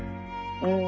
うん。